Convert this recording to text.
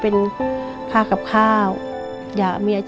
พี่น้องของหนูก็ช่วยย่าทำงานค่ะ